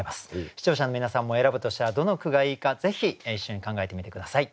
視聴者の皆さんも選ぶとしたらどの句がいいかぜひ一緒に考えてみて下さい。